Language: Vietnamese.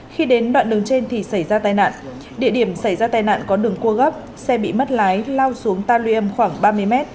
khi đến đoạn đường trên thì xảy ra tai nạn địa điểm xảy ra tai nạn có đường cua gấp xe bị mất lái lao xuống ta luy âm khoảng ba mươi mét